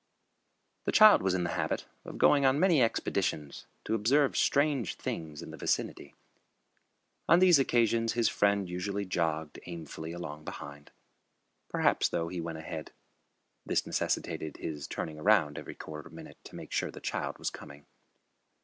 The child was in the habit of going on many expeditions to observe strange things in the vicinity. On these occasions his friend usually jogged aimfully along behind. Perhaps, though, he went ahead. This necessitated his turning around every quarter minute to make sure the child was coming.